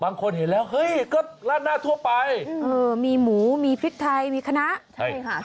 บางคนเห็นแล้วเฮ้ยก็ราดหน้าทั่วไปเออมีหมูมีพริกไทยมีคณะใช่ค่ะ